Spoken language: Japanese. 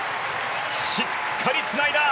しっかりつないだ！